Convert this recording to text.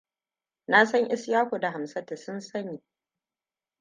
Na san Ishaku da Hamsatu sun sani.